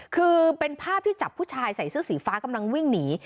คือเป็นภาพที่จับผู้ชายใส่เสื้อสีฟ้ากำลังวิ่งหนี